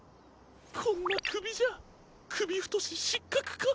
こんなくびじゃくびふとししっかくか。